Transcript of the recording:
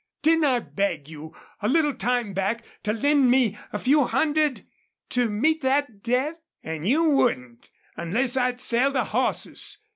Didn't I beg you, a little time back, to lend me a few hundred? To meet thet debt? An' you wouldn't, unless I'd sell the hosses.